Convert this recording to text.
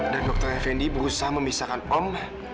dan dokter fnd berusaha memisahkan om